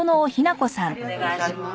お願いしまーす。